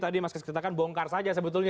tadi mas kisit kita kan bongkar saja sebetulnya